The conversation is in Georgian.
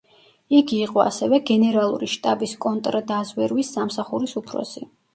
იგი იყო ასევე გენერალური შტაბის კონტრდაზვერვის სამსახურის უფროსი.